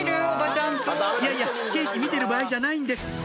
いやいやケーキ見てる場合じゃないんです